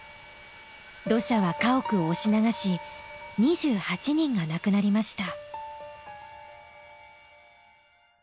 土砂は家屋を押し流し２８人が亡くなりました。